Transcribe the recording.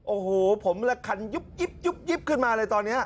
โอ้โหผมละคันยุบขึ้นมาเลยตอนนี้